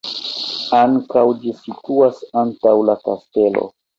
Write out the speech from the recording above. Ankaŭ ĝi situas antaŭ la kastelo.